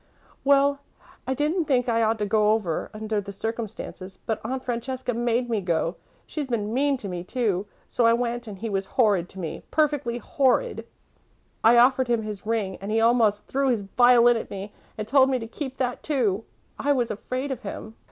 "Well, I didn't think I ought to go over, under the circumstances, but Aunt Francesca made me go she's been mean to me, too. So I went and he was horrid to me perfectly horrid. I offered him his ring and he almost threw his violin at me, and told me to keep that, too. I was afraid of him.